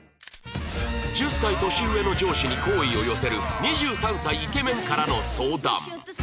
１０歳年上の上司に好意を寄せる２３歳イケメンからの相談